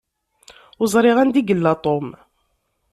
Ur ẓṛiɣ anda i yella Tom.